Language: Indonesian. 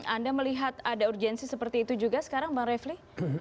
anda melihat ada urgensi seperti itu juga sekarang bang refli